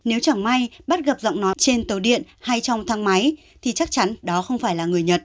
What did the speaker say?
nếu chẳng may bắt gặp giọng nói trên tàu điện hay trong thang máy thì chắc chắn đó không phải là người nhật